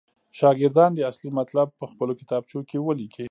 شاګردان دې اصلي مطلب پخپلو کتابچو کې ولیکي.